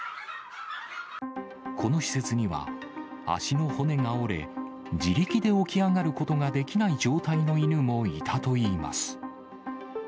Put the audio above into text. この施設には、足の骨が折れ、自力で起き上がることができない状態の犬もいたといいます。